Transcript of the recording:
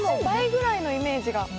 倍ぐらいのイメージが。